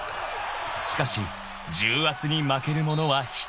［しかし重圧に負ける者は一人もいない］